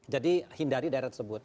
jadi hindari daerah tersebut